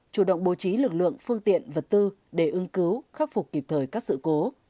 chủ động bố trí lực lượng phương tiện vật tư để ưng cứu khắc phục kịp thời các sự cố